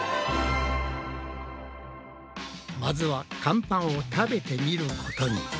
まずは乾パンを食べてみることに。